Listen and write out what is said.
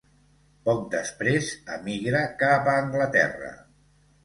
Poc després, emigra cap a Anglaterra.